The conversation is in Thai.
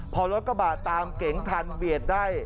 พอรถกระบะตามเก๋งทันเบียดได้